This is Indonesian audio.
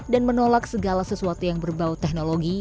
dan menolak segala sesuatu yang berbau teknologi